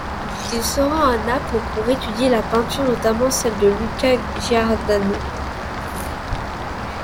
Il se rend à Naples pour étudier la peinture notamment celle de Luca Giordano.